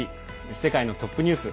世界のトップニュース」。